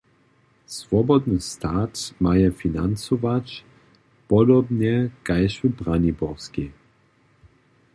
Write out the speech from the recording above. Swobodny stat ma je financować, podobnje kaž w Braniborskej.